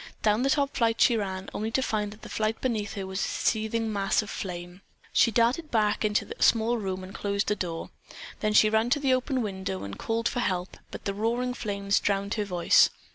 Down the top flight she ran, only to find that the flight beneath her was a seething mass of flame. She darted back into the small room and closed the door. Then she ran to the open window and called for help, but the roaring of the flames drowned her voice.